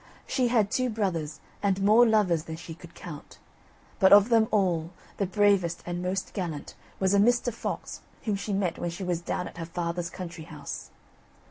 She had two brothers, and more lovers than she could count. But of them all, the bravest and most gallant, was a Mr. Fox, whom she met when she was down at her father's country house.